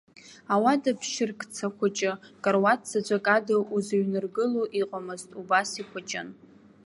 Ауада ԥшьыркца хәыҷы, каруаҭ заҵәык ада узыҩнаргыло иҟамызт, убас ихәыҷын.